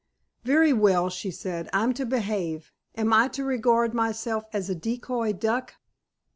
"Very well," she said. "I'm to behave. Am I to regard myself as a decoy duck?"